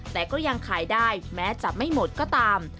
แต่ก็ยังขายได้แม้จะไม่หมดก็ตาม